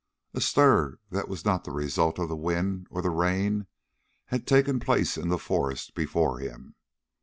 A stir that was not the result of the wind or the rain had taken place in the forest before him.